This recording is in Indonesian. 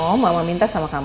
kamu ngomong baik baik sama dia